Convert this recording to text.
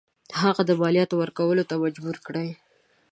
هغه د مالیاتو ورکولو ته مجبور کړي.